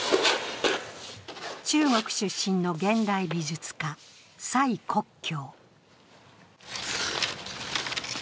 中国出身の現代美術家・蔡國強。